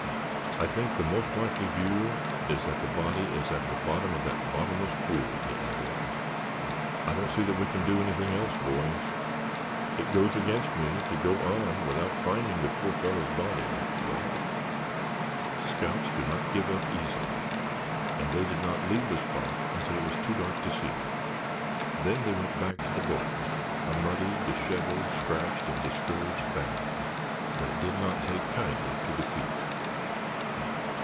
"I think the most likely view is that the body is at the bottom of that bottomless pool," he added. "I don't see that we can do anything else, boys. It goes against me to go on without finding the poor fellow's body, but—" Scouts do not give up easily and they did not leave the spot until it was too dark to see. Then they went back to the boats, a muddy, dishevelled, scratched and discouraged band. They did not take kindly to defeat.